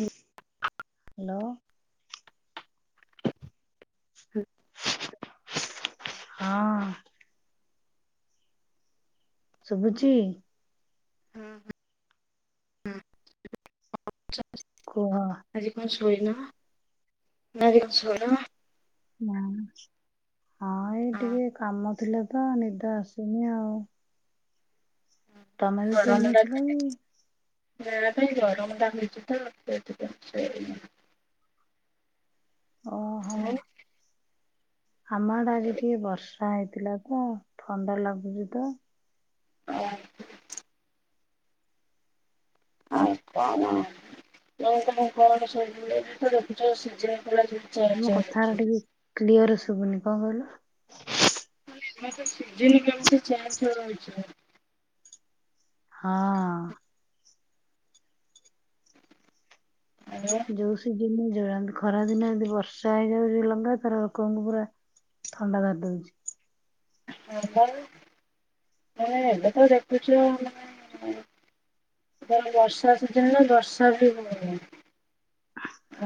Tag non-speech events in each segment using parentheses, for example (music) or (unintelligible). ହୁଁ। ହାଲୋ। ହୁଁ। ହଁ। ଶୁଭୁଛିି। ହୁଁ ହୁଁ ହୁଁ। କୁହ। ଶୋଇନ ନା ଆଜି ଙ୍କ ଶୋଇନ। ନା ଆଜି। ହଁ ଏଇ ଟିକେ କାମ ଥିଲା। ତ ନିଦ ଆସୁନି ଆଉ। ତମେ ବି ଶୋଇ ନଥିଲ, କି। ଖରା ପାଇଁ ଗରମ ଟା ହଉଚି, ତ ସେଇଥି ପାଇଁ ସୋଇନି। ଓହୋ ଉଁ। ଆମ ଆଡେ ଆଜି ଟିକେ ବର୍ଷା ହେଇଥିଲା, ତ ଥଣ୍ଡା ଲାଗୁଚି, ତ। ଓ (inaudible) ଆଉ କଣ ତ କ କଣ ସବୁଳେ ବି ତ ଦେଖୁଛ ସି ଯେ (inaudible) ତମ କଥା ଏରା ଟିକେ କ୍ଲିଅର ଶୁଭୁନି, କଣ କହିଲୁ, ଏଇନା ତ, ସିଜିନି କିମିତି ଚେଞ୍ଚେ ହଉଚି। ହଁ। ଆଉ ଯୋଉ ସିଜିନି ରେ ଖରା ଦିନ ଏ ବର୍ଷା ହେଇଯାଉଛି, ଲଗା ତର ଲୋକଙ୍କୁ ପୁରା ଥଣ୍ଡା ଧରି ଦଉଛି। ହଁ, ପା, ମାନେ ଏବେ ତ ଦେଖୁଛ, ମାନେ ବର୍ଷା ସିଜିନି ନା ବର୍ଷା ବି ହୋଉନି।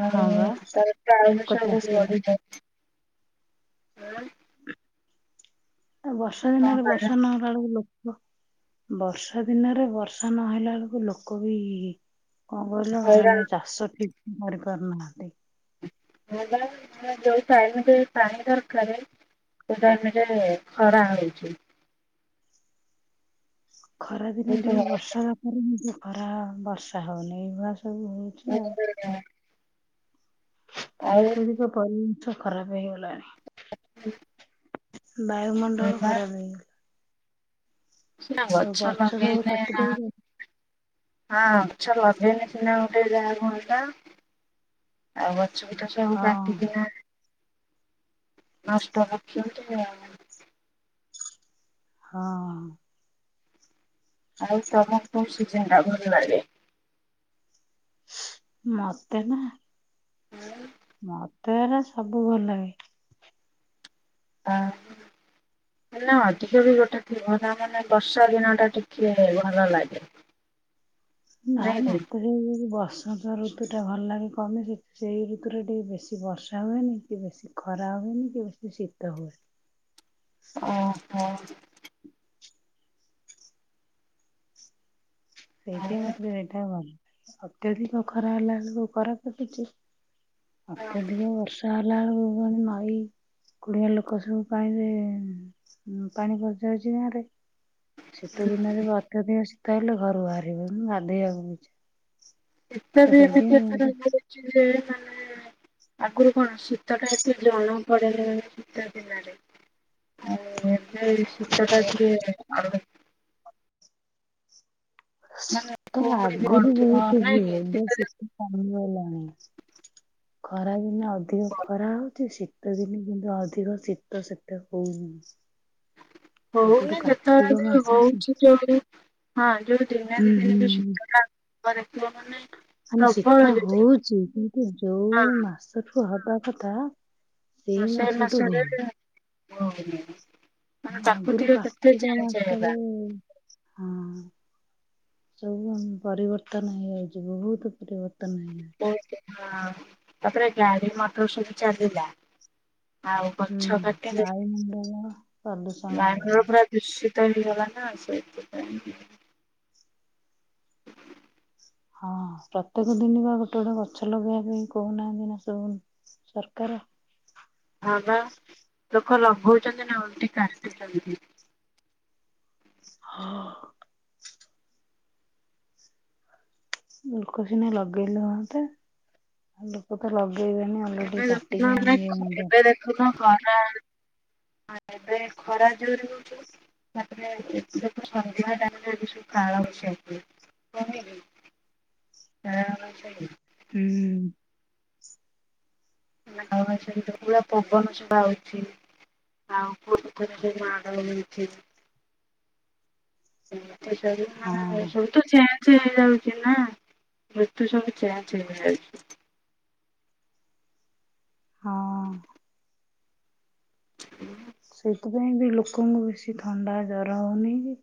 ଆଉ ହଁ ବା (inaudible) ତାମ ଆଁ, ଆଉ ବର୍ଷା କଣ ଦିନରେ, କରିବା ବର୍ଷା ନ ହେଲା, ବେଳକୁ ଲୋକ ବର୍ଷା ଦିନରେ, ବର୍ଷା ନହେଲା, ବେଳକୁ ଲୋକ ବି ଇ କଣ କହିଲ, ହଇରାଣ ମାନେ ଚାଷ ଠିକ କରି ପାରୁନାହାନ୍ତି। ଯୋଉ ଟାଇମରେ ପାଣି ଦରକାର, ସେ ଟାଇମରେ ଖରା ହଉଛି। ଖରାଦିନେ, ଟିକେ ବର୍ଷା ହେବା ପରେ ଖରା, ବର୍ଷା ହେଉନି ବସ୍ ସବୁ ହଉଛି, ଆଉ। ଆଉ ପ୍ରାକୃତିକ ପରି ଖରାପ ହେଇଗଲାଣି। ହ (inaudible) ବାୟୁମଣ୍ଡଳ ଖରାପ ହେଇଗଲା, ସିନା ଆଉ ଗଛ ସବୁ ଲଗେଇଲେ କାଟି ନା ହଁ, ଦଉଛନ୍ତି ଗଛ ଲଗେଇନେ ସିନା ଗୋଟେ ଯାହା ହୁଅନ୍ତା, ଆଉ ସୁବିଧା ସବୁ ହଁ କାଟି ନା ନଷ୍ଟ (inaudible) ହଁ,। ଆଉ ତମକୁ, କୋଉ ସିଜିନି ଟା ଭଲ ଲାଗେ। ମତେ ନା ମତେ ହେରା, ସବୁ ଭଲ ଲାଗେ। ଆ ନା ଅଧିକ ବି ଗୋଟେ ଥିବ, ନା ମାନେ ବର୍ଷା ଦିନ ଟା ଟିକେ ଭଲ ଲାଗେ। ନା, ନାଇଁ କି? ମତେ ଯୋଉ ବର୍ଷା ସନ୍ତ ଋତୁ ଟା ଭଲ ଲାଗେ, କମି କି ସେଇ ଋତୁରେ ଟିକେ ବେଶୀ ବର୍ଷା ହୁଏନି, କି ବେଶୀ ଖରା ହୁଏନି, କି ବେଶୀ ଶୀତ ହୁଏନି। ଓହୋ। ସେଇଥି ମାତେ ଓହୋ। ସେଟା ବ ଅତ୍ୟଧିକ ଖରା ହେଲା ବେଳକୁ ଖରା କରୁଛି। ଅତ୍ୟଧିକ ବର୍ଷା ଗଲା ବେଳକୁ ନଈ କୁଡିଆ ଲୋକ ସବୁ ପାଣିରେ ପାଣି ପସିଯାଉଛି ଗାଁ ରେ। ଶୀତ ଦିନରେ ବା ଅତ୍ୟଧିକ ଶୀତ ହେଲେ ଘର (unintelligible) ଗାଧେଇବାକୁ ଛା ଏତେ ବି ଏମିତି ଏଥର ହୋଇଛି ଜେ ମାନେ ଆଗରୁ କଣ ଶୀତ ଟା ଏତେ ଜଣା ପଡେନି ମାନେ ଶୀତ ଦିନରେ ଆଉ ଏବେ ସେଟା ଟିକେ ଆ ମାନେ ତ କୁହୁଡି ବି ଆଗରୁ ପଡୁଥିବ ବହୁତ ନାଇଁ ହୁଏ କି ଏବେ ଦିନ ଶୀତ କମିଗଲାଣି। ଖରାଦିନେ ଅଧି ଯେତିକି ଖରା ହଉଛି ଶୀ ତଦ କିନ୍ତୁ ଅଧିକ ଶୀତ ସେତା ହଉନି। ଆଗରୁ ହଉନି କାର୍ତ୍ତିକ ଯେତେବେଳେ ଵି ମାସ ଶୀ- ହଉଛି ଯୋଉ ହଁ ଯୋଉ ଦିନ ହୁଁ ଦିନ ଯୋଉ ହୁଁ ଶୀତାଟା ହବ ଦେଖିବ ମାନେ ମାନେ ଶୀତ ପ୍ରବଳ ଜୋରେ ହଉଛି କିନ୍ତୁ ଯୋଉ ହଁ। ମାସଠୁ ହବା କଥା ସେଇ ହ ସେ ମାସଠୁ ମାସରେ ହଉନି (unintelligible) ଆଗରୁ ପ୍ରାକୃତିକ କେତେ କାର୍ତ୍ତିକ ଚେଞ୍ଜ ହେଲା ମାସରେରେ ହଁ ସବୁ ପରିବର୍ତ୍ତନ ହେଇଯାଉଛି ବହୁତ ପରିବର୍ତ୍ତନ ଓ ହେଇଯାଉଛି। ହଁ। ତାପରେ ଗାଡ଼ି ମୋଟର ସବୁଚାଲିଲା ହୁଁ ବାୟୁମଣ୍ଡଳ ପ୍ରଦୂଷଣ ହୋଇଗଲା। ତ ହେଇଗଲାନା ସେଇଥିପାଇଁ। ହଁ ପ୍ରତ୍ୟେକ ଦିନ ବା ଗୋଟେ ଗୋଟେ ଗଛ ଲଗେଇବା ପାଇଁ କହୁନାହାନ୍ତି ନା ସବୁ ସରକାର। ହଁ ବା ଲୋକ ଲଗଉଛନ୍ତି ନା ଓଲଟି କାଟୁଛନ୍ତି। ହଁ। ଲୋକ ସିନା ଲଗେଇଲେ ହନ୍ତା ଲୋକ ତ ଲଗେଇ ଏବେ ଦେଖୁନ ମାନେ ଏବେ ଦେଖୁନ କ ଏବେ ଖରା ଜୋରେ ହଉଛି ତାପରେ ଏ ସନ୍ଧ୍ୟା ଟାଇମରେ ଏବେ ସବୁ କଳାବୈଶାଖୀ (unintelligible) କାଲିବୈଶାଖୀ ହୁଁ। ଆମାସାଇଡ୍ ତ ପୁରା ପବନ ସବୁ ହଉଚି (unintelligible) (unintelligible) ହଁ ସବୁତ ଚେଞ୍ଜ ହେଇଯାଉଛି ନା ମୃତ୍ୟୁ ସବୁ ଚେଞ୍ଜ ହେଇଯାଉଛି। ହଁ। (inaudible) ସେଥିପାଇଁ ବି ଲୋକଙ୍କୁ ବେଶି ଥଣ୍ଡା ଜର ହଉନି କି?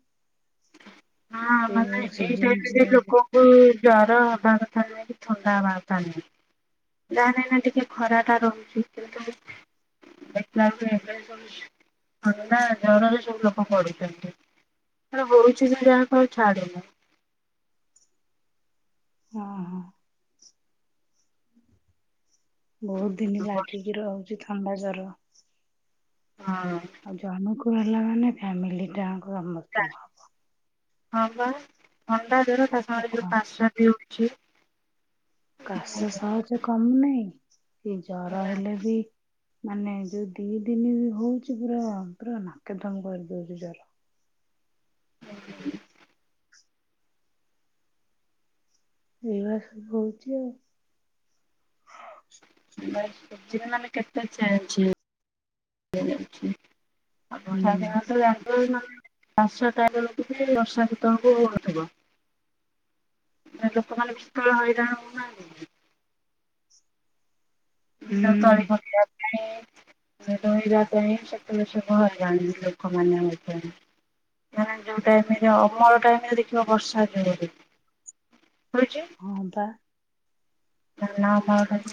ହଁ ସେଇ ମାନେ ଯୋଉ ଏଇ ସିଜନ ଟାଇମ ଯେ ଚେଞ୍ଜ ଲୋକଙ୍କୁ ଜର ହବା କଥା ନୁହଁ କି ଥଣ୍ଡା ହବା କଥା ନୁହଁ ଯାହା ନାହି ନା ଟିକେ ଖରା ଟା ରହୁଛି କିନ୍ତୁ ଦେଖିଲା ବେ ଏବେ ସବୁ ଥା ଜରରେ ସବୁ ଲୋକ ପଡୁଛନ୍ତି ବହୁତ ମୁଁ ଯାହା ଖାଉଛି ଛାଡୁନି। ହଁ ହଁ। ବହୁତ ଦିନ ହଁ ଲାଗିକି ରହୁଛି ତ ଥଣ୍ଡାଜର। ଆଉ ଜଣକୁ (unintelligible) ହେଲା ମାନେ ଫ୍ୟାମିଲିଟା। ସମସ୍ତକୁ ହବ। ହଁ ପା ହଁ। ଆଉ କଣ। (unintelligible) କିଏ? କାଶ ସହଜେ କମୁନାହିଁ। ସେ ଜର ହେଲେ ବି ମାନେ ଯୋଉ ଦି ଦିନ ବି ହଉଛି, ପୁରା ପୁରା ନାକେଦମ କରିଦଉଛି ଜର। ହଁ। ଏଇ ବା ସବୁ ହଉଛି ଆଉ ବାସ ସବଜି ଆମେ କେତେ ଚାହୁଁଛୋଉ। (unintelligible) (unintelligible) ହୁଁ ପାଞ୍ଚଛଅଟା ବେଳକୁ ଯେ। (unintelligible) ଲୋକମାନେ ବିକଳ ହଇରାଣ ହଉନାହାନ୍ତି କି? ବିଲ ତଳି ହୁଁ ପକେଇଆ (unintelligible) ରୋଇବା ପାଇଁ ସେତେବେଳେ ଶୁଭ (unintelligible) ଲୋକମାନେ ମଧ୍ୟରେ (unintelligible) ଯୋଉ ଟାଇମରେ ଅମଳ ଟାଇମରେ ଦେଖିବ ବର୍ଷା ଜୋରେ ହଁ ବା। (unintelligible)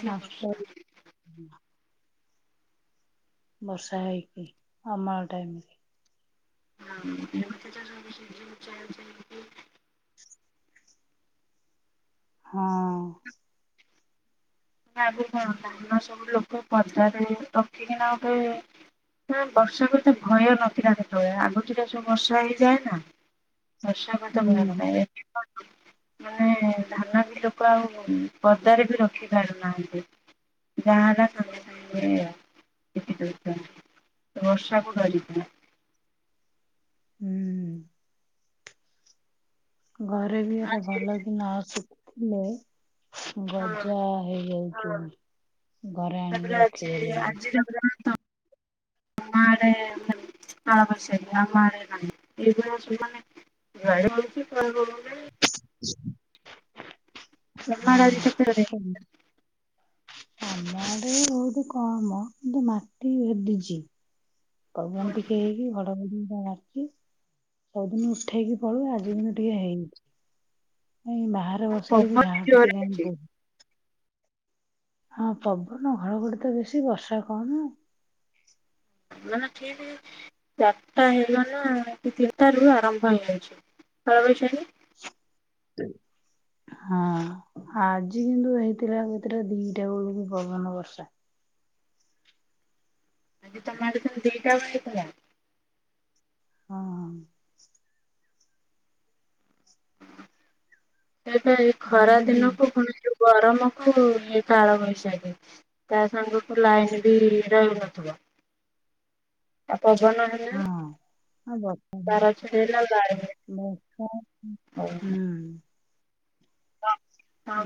ନଷ୍ଟ ବର୍ଷା ବର୍ଷା ହେଇକି ଅମଳ ଟାଇମରେ (unintelligible) ହଁ। ଆଗୁରୁ କଣ ଧାନ ସବୁ ଲୋକ ପଦାରେ ରଖିକିନା ଗୋଟେ ନା ବର୍ଷାକୁ ଏତେ ଭୟ ନଥିଲା ସେତେବେଳେ ଆଗତୁରିଆ ସବୁ ବର୍ଷା ହେଇଯାଏ ନା। ବର୍ଷା ହୁଁ (unintelligible) ମାନେ ଧାନ ବିଲକୁ ଆଉ ପଦାରେ ବି ରଖି ଛାଡୁନାହାଁନ୍ତି ଯାହା ହେଲା ସାଙ୍ଗେ ସାଙ୍ଗେ ରଖି ଦଉଛନ୍ତି, ବର୍ଷାକୁ ଡରିକିନା। ହୁଁ। ଘରେ ବି ଆର ଭଲକି ନଆସୁ। ହାଲୋ। ହଁ ଗଜା ହେଇଯାଉ। ହଁ। ତାପରେ ଆଜି ଆଜି (unintelligible) ତମ ଆଡ଼େ ଖାଲି କାଳବୈଶାଖୀ ଆମ ଆଡେ ନାହିଁ। (unintelligible) ତମ ଆଡେ ଆଜି କେତେ? ହଁ (unintelligible) ଆମ ଆଡେ ବହୁତ କମ୍ କିନ୍ତୁ ମାଟି ଭେଦିଛି। ପବନ ଟିକେ ହେଇକି ଘଡଘଡି ମାରିଛି ସବୁଦିନ ଉଠେଇକି ପଳାଏ ଆଜି କିନ୍ତୁ ଟିକେ ହେଇଛି। ଏଇ ବାହାରେ ବସିଲେ ପବନ ବି ଝାଳ ଟିକେ ଜୋରେ କାଇଁ ହଉଛି ବୋ ହଁ ପବନ ଘଡଘଡି ତ ବେଶୀ ବର୍ଷା କମ୍ ଆଉ। ମାନେ ଠିକ ଚାରଟା ହେଇଗଲା (unintelligible) ତିନିଟାରୁ ଆରମ୍ଭ ହେଇଯାଉଛି କାଳବୈଶାଖୀ। ହଁ ଆଜି କିନ୍ତୁ ହେଇଥିଲା କେତେଟା ଦିଟା ବେଳକୁ ପବନ ବର୍ଷା। ଆଜି ତମ ଆଡେ ତାହାଲେ ଦିଟା ବେଳେ ହେଇଥିଲା। ହଁ। ଏବେ ଏ ଆମେ ଖରା ତ ଦି ଦିନକୁୁ ପୁଣି ଯୋଉ ଗରମକୁ ଏ କାଳବୈଶାଖୀ ତା ସାଙ୍ଗକୁ ଲାଇନ ବି ରହୁନଥିବ ପବନ ହଁ ହେଲେ ହଁ ବ ତାର ଛିଡି ଗଲେ ଆଉ ଜାଳି ବର୍ଷା ହୁଏନି (unintelligible) ହୁଁ। (unintelligible)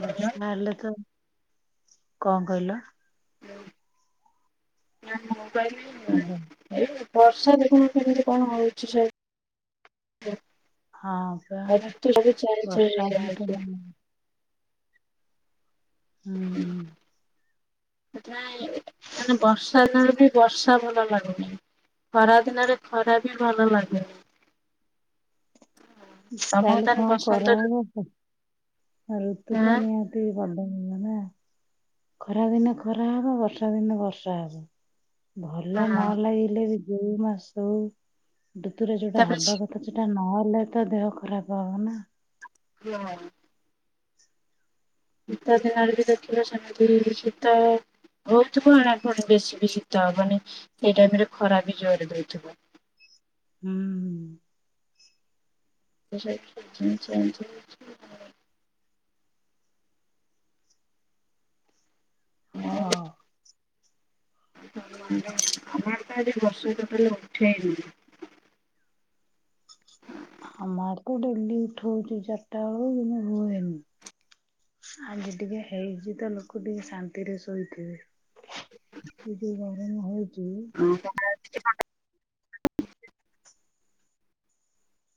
ବର୍ଷା ହେଲେ ତ କଣ କହିଲ? (unintelligible) (unintelligible) ହାଲୋ ବର୍ଷା ଦେଖୁନ କେମିତି କଣ ହଉଛି ହଁ ବା ଋତୁ ସବୁ ଚେଞ୍ଜ ବର୍ଷା ହେଇଯାଉଛି। ଉଠେଇଲାଣି ହୁଁ ସେଥିପାଇଁ ମାନେ ବର୍ଷା ଦିନରେ ବି ବର୍ଷା ଭଲ ଲାଗୁନି ଖରା ଦିନରେ ଖରା ବି ଭଲ ଲାଗୁନି ତମକୁ ତାହଲେ ତାହେଲେ କଣ ବସନ୍ତ କରା ଋତୁ ହବ ଋତୁ ତ ହଁ ନିିହାତି ବଦ ନ ନା ଖରା ଦିନେ ଖରା ହବ ବର୍ଷା ଦିନେ ବର୍ଷା ହବ ଭଲ ନ ହଁ ଲାଗିଲେ ବି ଯୋଉ ମାସ ହଉ ଋତୁରେ ଯୋଉଟା ତାପରେ ହବା କଥା ସେଟା ନହ ତା ହେଲେ ତ ଦେହ ଖରାପ ହବ ନା କିଏ ମାରି ଶୀତ ଦିନରେ ବି ଦେଖିବ ସେମିତି ଶୀତ ହଉଥିବ ଏଣେ ପୁଣି ବେଶୀ ବି ଶୀତ ହବନି ସେଇ ଟାଇମରେ ଖରା ବି ଜୋର ହଉଥିବ ହୁଁ (unintelligible) ହଁ (unintelligible) ଆମର ତ ଆଜି ବର୍ଷା ଟୋଟାଲି ଉଠେଇନି। ଆମର ତ ଡେଲି ଉଠଉଛି ଚାରିଟା ବେଳକୁ କିିନ୍ତୁ ହୁଏନି ଆଜି ଟିକେ ହେଇଚି ତ ଲୋକ ଟିକେ ଶାନ୍ତିରେ ଶୋଇଥିବେ ଯୋଉ ଗରମ ହଉ (unintelligible) (unintelligible)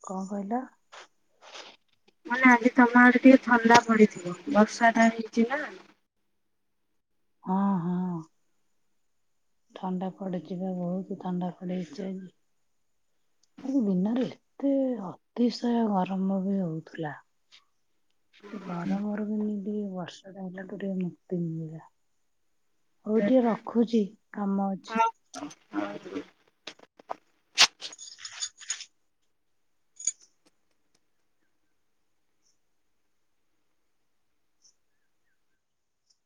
କଣ କହିଲ ମାନେ ଆଜି ତମ ଆଡେ ଟିକେ ଥଣ୍ଡା ପଡିଥିବ ବର୍ଷାଟା ହେଇଛି ନା। ହଁ ହଁ। ଥଣ୍ଡା ପଡିଚି ପା ବହୁତ ଥଣ୍ଡା ପଡିଯାଇଛି ଆଜି ଆଜି ଦିନରେ ଏତେ ଅତିଶୟ ଗରମ ବି ହଉଥିଲା। ଗରମ ରୁ ଟିକିଏ ବର୍ଷା ଟା ହେଲା ଠୁ ମୁକ୍ତି ମିଳିଲା। ହଉ ଟିକେ ରଖୁଚି। କାମ ଅଛି।